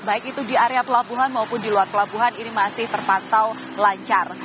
baik itu di area pelabuhan maupun di luar pelabuhan ini masih terpantau lancar